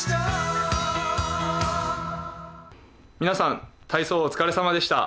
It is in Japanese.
皆さん、体操お疲れさまでした。